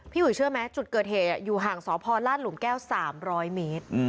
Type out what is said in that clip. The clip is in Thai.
อุ๋ยเชื่อไหมจุดเกิดเหตุอยู่ห่างสพลาดหลุมแก้ว๓๐๐เมตร